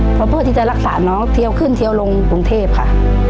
เพราะเพื่อที่จะรักษาน้องเทียวขึ้นเทียวลงกรุงเทพค่ะ